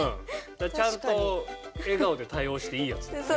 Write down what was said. ちゃんと笑顔で対応していいやつだよね。